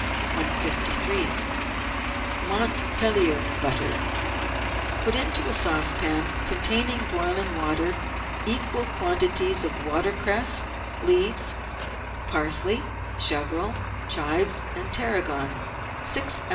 IS3— MONTPELLIER BUTTER Put into a saucepan containing boiling water equal quantities of watercress leaves, parsley, chervil, chives, and tarragon (six oz.